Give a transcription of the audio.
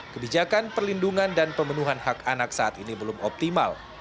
kebijakan perlindungan dan pemenuhan hak anak saat ini belum optimal